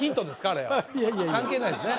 あれ関係ないですね？